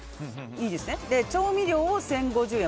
調味料を１０５０円。